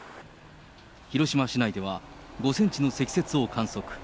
広島市内では、５センチの積雪を観測。